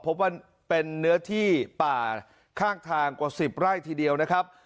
พบว่าเป็นเนื้อที่ป่าข้างทางกว่า๑๐ไร่ทีเดียวนะครับ